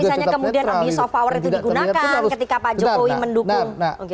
tapi kalau misalnya kemudian abis of power itu digunakan ketika pak jokowi mendukung